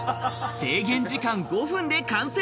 制限時間５分で完成。